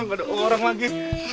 nggak ada orang lagi